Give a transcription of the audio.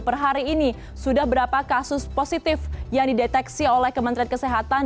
per hari ini sudah berapa kasus positif yang dideteksi oleh kementerian kesehatan